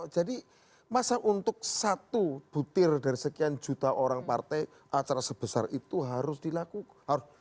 jadi masa untuk satu butir dari sekian juta orang partai acara sebesar itu harus dilakukan